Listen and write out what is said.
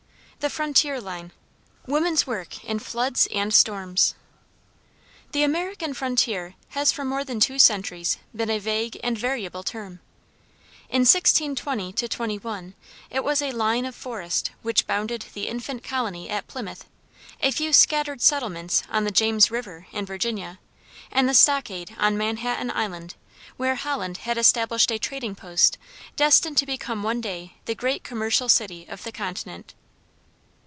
THE FRONTIER LINE WOMAN'S WORK IN FLOODS AND STORMS The American Frontier has for more than two centuries been a vague and variable term. In 1620 21 it was a line of forest which bounded the infant colony at Plymouth, a few scattered settlements on the James River, in Virginia, and the stockade on Manhattan Island, where Holland had established a trading post destined to become one day the great commercial city of the continent.